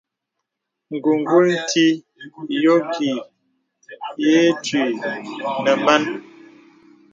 Ǹgùngùl nti yɔ ki yə̀ ǐ twi nə̀ man.